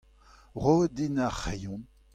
Roit din ar c'hreion.